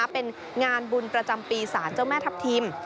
เป็นงานบุญประจำปีศาลเจ้าแม่ทัพทิม